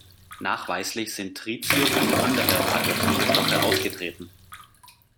Nachweislich sind Tritium und andere radioaktive Stoffe ausgetreten.